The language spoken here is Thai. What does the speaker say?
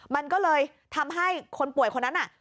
มันก็เลยทำให้คนป่วยคนนั้นน่ะ